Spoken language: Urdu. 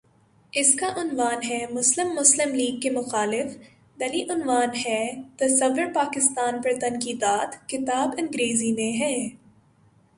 اس کا عنوان ہے:"مسلم مسلم لیگ کے مخالف" ذیلی عنوان ہے:"تصورپاکستان پر تنقیدات" کتاب انگریزی میں ہے۔